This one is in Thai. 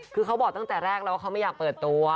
คือเขาบอกตั้งแต่แรกแล้วว่าเขาไม่อยากเปิดตัว